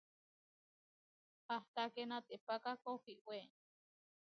Ahtaké natépaka kohiwé.